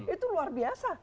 itu luar biasa